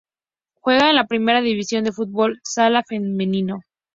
Juega en la Primera División de fútbol sala femenino.